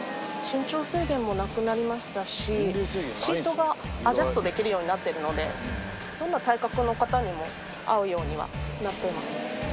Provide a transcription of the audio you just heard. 身長制限もなくなりましたし、シートがアジャストできるようになっているので、どんな体格の方にも合うようにはなっています。